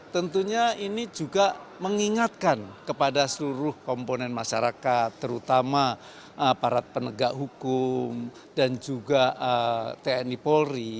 tentunya ini juga mengingatkan kepada seluruh komponen masyarakat terutama aparat penegak hukum dan juga tni polri